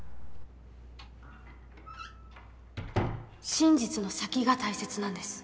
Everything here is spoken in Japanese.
真実の先が大切なんです